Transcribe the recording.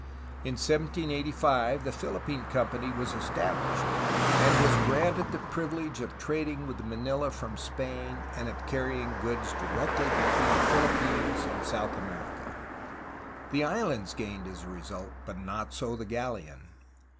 In 1785 the Philippine Company was established, and was granted the privilege of trading with Manila from Spain and of carrying goods directly between the Philip pines and South America. The islands gained as a result, but not so the galleon.